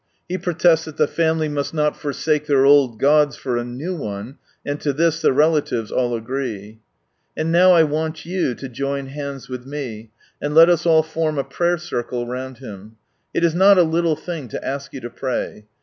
He protests that the family must not forsake their old gods for a " new one," and to this the relatives all agree. And now I want you to join hands with me, and let us all form a Prayer circle round him. It is not a little thing to ask you to pray.